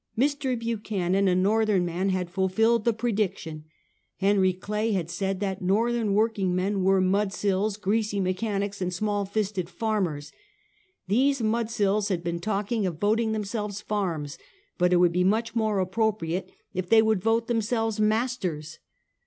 Mr. Buchanan, a l^orthern man, had fulfilled the prediction. Henry Clay had said that Northern workingmen were " mudsills, greasy mechanics and small fisted farmers." These mudsills had been talk ing of voting themselves farms; but it would be much more appropriate if they would vote themselves mas ters.